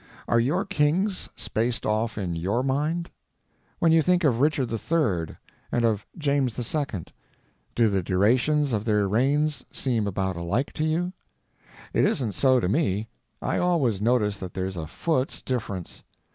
Are your kings spaced off in your mind? When you think of Richard III. and of James II. do the durations of their reigns seem about alike to you? It isn't so to me; I always notice that there's a foot's difference.